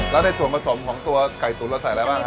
แล้วในส่วนผสมของตัวไก่ตุ๋นเราใส่อะไรบ้าง